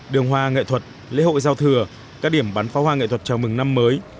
đường hoa nghệ thuật lễ hội giao thừa các điểm bán phá hoa nghệ thuật chào mừng năm mới